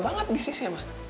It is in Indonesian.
kok bentar banget bisnisnya ma